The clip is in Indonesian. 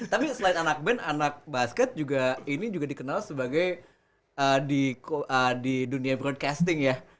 tapi selain anak band anak basket juga ini juga dikenal sebagai di dunia broadcasting ya